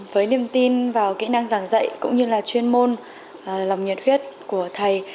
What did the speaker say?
với niềm tin vào kỹ năng giảng dạy cũng như là chuyên môn lòng nhiệt huyết của thầy